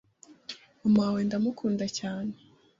Mama wawe ndamukunda cyane